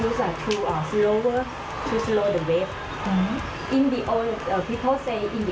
เพื่อที่จะเร็วขึ้นเพื่อที่จะเร็วขึ้นเวทย์